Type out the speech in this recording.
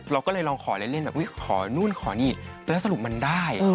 เราก็เลยลองขอเล่นแบบอุ๊ยขอนู่นขอนี่แล้วสรุปมันได้